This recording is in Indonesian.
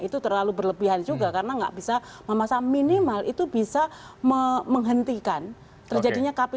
itu terlalu berlebihan juga karena nggak bisa memasang minimal itu bisa menghentikan terjadi hal ini